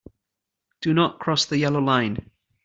Do not cross the yellow line.